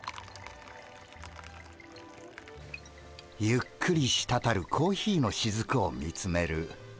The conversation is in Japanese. ゆっくりしたたるコーヒーのしずくを見つめる。